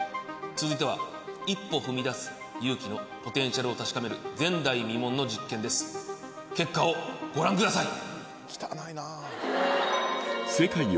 続いては一歩踏み出す勇気のポテンシャルを確かめる前代未聞の実験です結果をご覧ください！